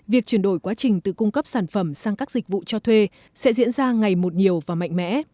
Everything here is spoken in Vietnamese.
việc chuyển đổi quá trình từ cung cấp sản phẩm sang các dịch vụ cho thuê sẽ diễn ra ngày một nhiều và mạnh mẽ